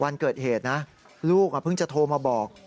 วันเกิดเหตุนะลูกเพิ่งจะโทรมาบอก